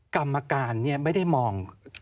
กรรมการเนี่ยไม่ได้มอง